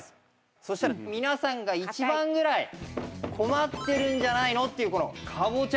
そしたら皆さんが一番ぐらい困ってるんじゃないの？っていうこのカボチャ。